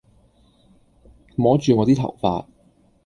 摸住我啲頭髮